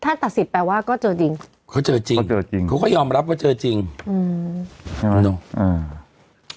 ถ้าตัดสิทธิ์แปลว่าก็เจอจริงเขาเจอจริงเขาก็ยอมรับว่าเจอจริงอืม